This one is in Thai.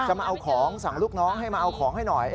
มาเอาของสั่งลูกน้องให้มาเอาของให้หน่อย